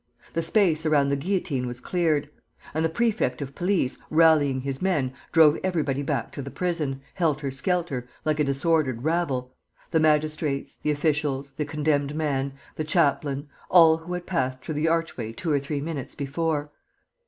The space around the guillotine was cleared. And the prefect of police, rallying his men, drove everybody back to the prison, helter skelter, like a disordered rabble: the magistrates, the officials, the condemned man, the chaplain, all who had passed through the archway two or three minutes before.